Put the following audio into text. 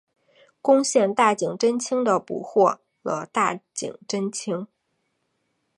攻陷大井贞清的捕获了大井贞清。